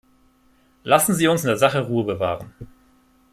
Lassen Sie uns in der Sache Ruhe bewahren.